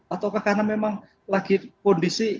atau karena memang lagi kondisi